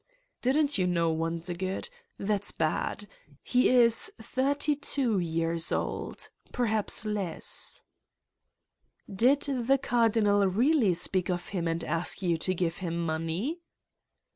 "Didn't you know, Wondergood? That's bad. He is 32 years old. Perhaps less." "Did the Cardinal really speak of him and ask you to give him money?"